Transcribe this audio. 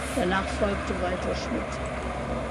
Danach folgte Walter Schmidt.